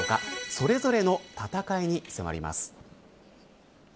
それぞれの戦いに迫ります。